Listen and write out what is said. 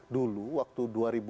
dulu waktu dua ribu dua